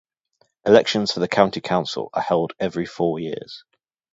Elections for the County Council are held every four years.